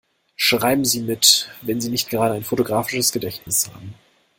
Schreiben Sie mit, wenn Sie nicht gerade ein fotografisches Gedächtnis haben.